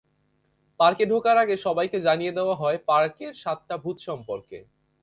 পার্কে ঢোকার আগে সবাইকে জানিয়ে দেওয়া হয়, পার্কের সাতটা ভূত সম্পর্কে।